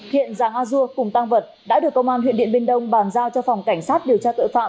hiện giàng a dua cùng tăng vật đã được công an huyện điện biên đông bàn giao cho phòng cảnh sát điều tra tội phạm